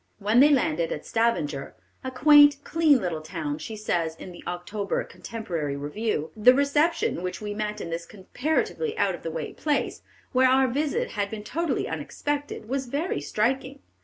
When they landed at Stavanger, a quaint, clean little town, she says, in the October Contemporary Review: "The reception which we met in this comparatively out of the way place, where our visit had been totally unexpected, was very striking.